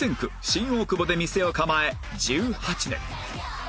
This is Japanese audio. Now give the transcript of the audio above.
新大久保で店を構え１８年